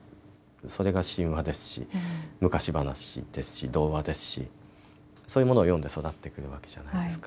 それが神話ですし、昔話ですし童話ですしそういうものを読んで育ってくるわけじゃないですか。